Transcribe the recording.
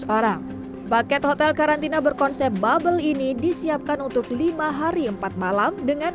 orang paket hotel karantina berkonsep bubble ini disiapkan untuk lima hari empat malam dengan